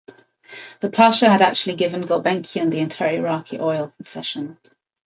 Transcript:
The Pasha had actually given Gulbenkian the entire Iraqi oil concession.